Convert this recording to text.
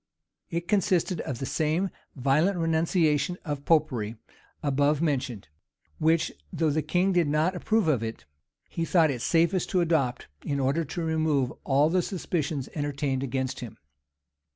It consisted of the same violent renunciation of Popery above mentioned; which, though the king did not approve of it, he thought it safest to adopt, in order to remove all the suspicions entertained against him.